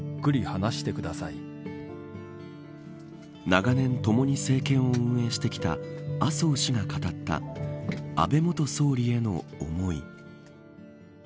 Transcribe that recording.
長年ともに政権を運営してきた麻生氏が語った安倍元総理への思い。